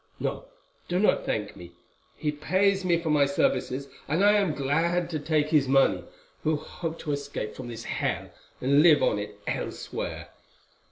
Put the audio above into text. No, do not thank me. He pays me for my services, and I am glad to take his money, who hope to escape from this hell and live on it elsewhere.